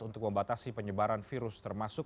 untuk membatasi penyebaran virus termasuk